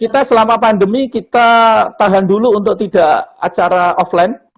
kita selama pandemi kita tahan dulu untuk tidak acara offline